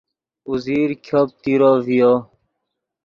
اوزیر ګوپ تیرو ڤیو